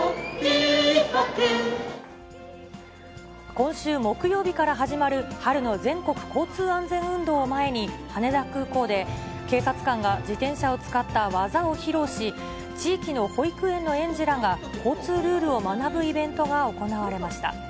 今週木曜日から始まる春の全国交通安全運動を前に、羽田空港で、警察官が自転車を使った技を披露し、地域の保育園の園児らが交通ルールを学ぶイベントが行われました。